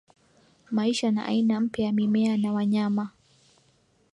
maisha na aina mpya ya mimea na wanyama